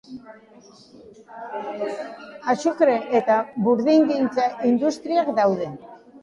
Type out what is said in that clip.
Azukre eta burdingintza industriak daude.